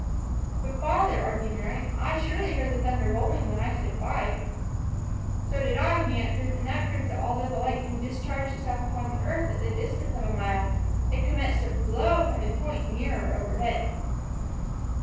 "But, father," argued Mary, "I surely heard the thunder rolling when I said five." "So did I," he answered; "and that proves that although the lightning discharged itself upon the earth at the distance of a mile, it commenced to flow from a point nearer overhead."